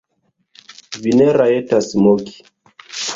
Vi ne rajtas moki!